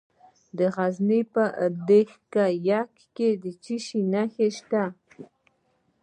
د غزني په ده یک کې د څه شي نښې دي؟